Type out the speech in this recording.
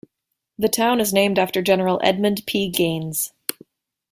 The town is named after General Edmund P. Gaines.